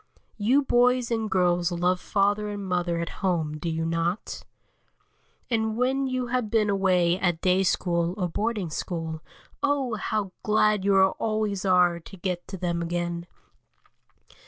You boys and girls love father and mother and home, do you not? And when you have been away at day school or boarding school, oh! how glad you always are to get to them again.